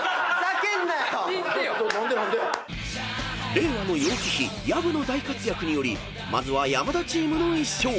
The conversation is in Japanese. ［令和の楊貴妃薮の大活躍によりまずは山田チームの１勝］